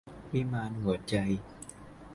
วิมานหัวใจ - รจเรข